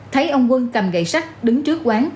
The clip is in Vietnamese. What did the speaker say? thấy ông quân cầm gậy sắt đứng trước quán